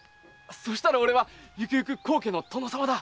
そしたら俺はゆくゆく高家の殿様だ。